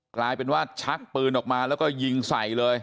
กลายเป็นว่าชักปืนออกมาแล้วก็ยิงใส่เลย